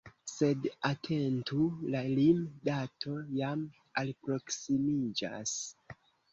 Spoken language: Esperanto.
Sed atentu: la lim-dato jam alproksimiĝas!